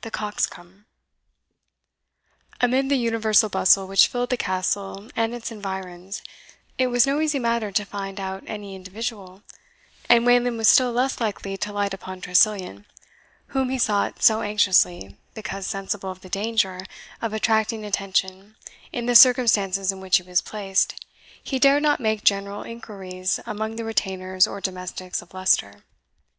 THE COXCOMB. Amid the universal bustle which filled the Castle and its environs, it was no easy matter to find out any individual; and Wayland was still less likely to light upon Tressilian, whom he sought so anxiously, because, sensible of the danger of attracting attention in the circumstances in which he was placed, he dared not make general inquiries among the retainers or domestics of Leicester.